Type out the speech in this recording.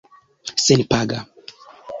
senpaga